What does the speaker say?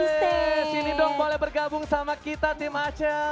boleh sini dong boleh bergabung sama kita tim acel